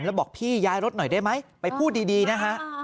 แล้วบอกพี่ย้ายรถหน่อยได้ไหมไปพูดดีนะฮะ